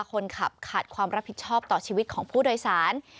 คนขับขาดความรับผิดชอบต่อชีวิตของผู้โดยสาร